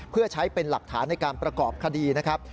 เพื่อใช้เป็นหลักฐานในการประกอบคดีนะครับ